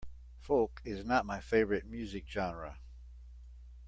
Folk is not my favorite music genre.